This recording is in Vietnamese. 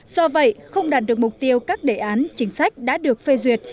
do vậy không đạt được mục tiêu các đề án chính sách đã được phê duyệt